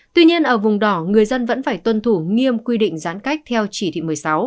tuy nhiên ở vùng đỏ người dân vẫn phải tuân thủ nghiêm quy định giãn cách theo chỉ thị một mươi sáu